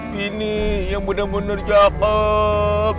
bini yang bener bener cakep